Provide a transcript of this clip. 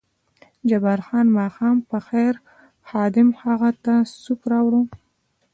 جبار خان: ماښام په خیر، خادم هغه ته سوپ راوړ.